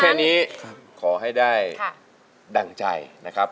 แค่นี้ขอให้ได้ดั่งใจนะครับ